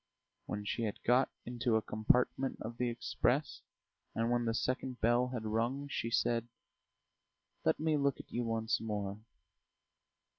When she had got into a compartment of the express, and when the second bell had rung, she said: "Let me look at you once more